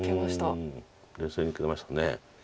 冷静に受けましたね。